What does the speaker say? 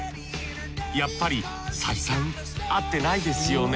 やっぱり採算合ってないですよね？